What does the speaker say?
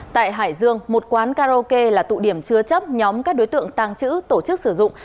tại hải dương một quán karaoke là tụ điểm chưa chấp nhóm các đối tượng tăng chữ tổ chức sử dụng